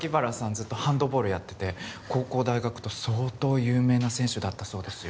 ずっとハンドボールやってて高校大学と相当有名な選手だったそうですよ